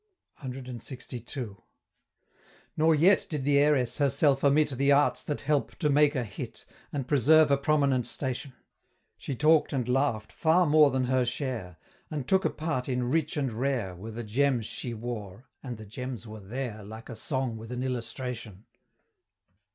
CLXII. Nor yet did the Heiress herself omit The arts that help to make a hit, And preserve a prominent station. She talk'd and laugh'd far more than her share; And took a part in "Rich and Rare Were the gems she wore" and the gems were there, Like a Song with an Illustration.